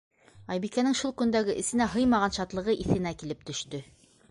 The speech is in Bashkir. Айбикәнең шул көндәге эсенә һыймаған шатлығы иҫенә килеп төштө.